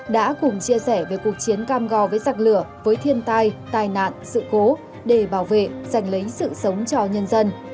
đã cùng chia sẻ về cuộc chiến cam go với giặc lửa với thiên tai tai nạn sự cố để bảo vệ dành lấy sự sống cho nhân dân